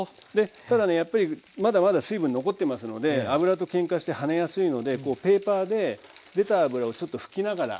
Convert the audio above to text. ただねやっぱりまだまだ水分残ってますので脂とけんかして跳ねやすいのでこうペーパーで出た脂をちょっと拭きながら。